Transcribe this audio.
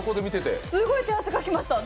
すごい手汗かきました。